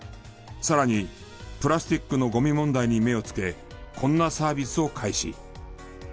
さらにプラスチックのゴミ問題に目をつけこんなサービスを開始。